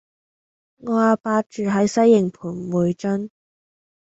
我阿伯住喺西營盤薈臻